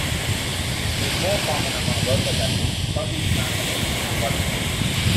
This is more common among workers addressing solute transport and water flow.